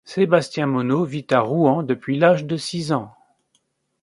Sébastien Monod vit à Rouen depuis l'âge de six ans.